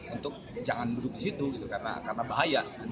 untuk jangan duduk di situ karena bahaya